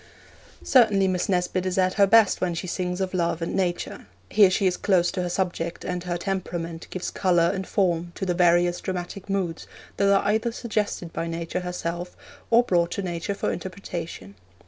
Certainly Miss Nesbit is at her best when she sings of love and nature. Here she is close to her subject, and her temperament gives colour and form to the various dramatic moods that are either suggested by Nature herself or brought to Nature for interpretation.